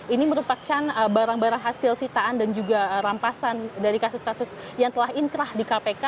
ini merupakan barang barang hasil sitaan dan juga rampasan dari kasus kasus yang telah inkrah di kpk